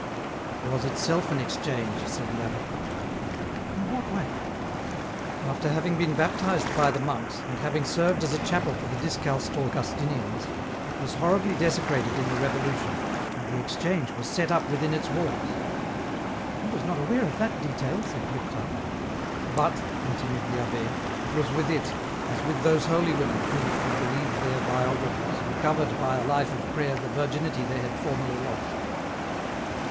" It was itself an Exchange," said the abbd. " In what way ?"" After having been baptized by the monks, and having served as a chapel for the discalced Augustinians, it was horribly desecrated in the Revolution, and the Exchange was set up within its walls." " I was not aware of that detail," said Durtal. *' But," continued the abbd, " it was with it, as with those EN ROUTE. 6 1 holy women, who, if we believe their biographers, recovered by a life of prayer the virginity they had formerly lost.